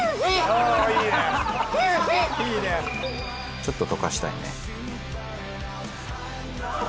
ちょっと溶かしたいね。